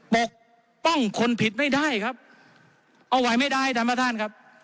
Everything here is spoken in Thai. ปกป้องคนผิดไม่ได้ครับเอาไว้ไม่ได้ท่านประธานครับ